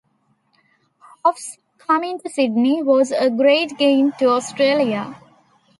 Hoff's coming to Sydney was a great gain to Australia.